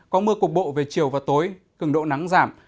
có mưa cục bộ về chiều và tối cứng độ nắng giảm